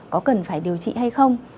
có cần phải điều trị hay không